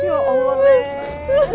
ya allah nenek